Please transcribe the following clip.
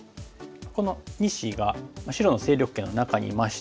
この２子が白の勢力圏の中にいまして。